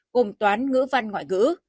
gồm toán ngữ văn ngoại ngữ